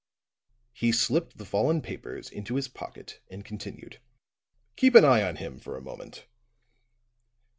He slipped the fallen papers into his pocket and continued: "Keep an eye on him, for a moment."